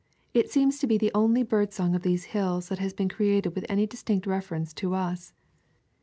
It seems to be the only bird song of these hills that has been created with any direct reference to us.